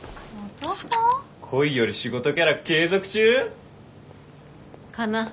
恋より仕事キャラ継続中？かな。